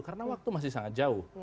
karena waktu masih sangat jauh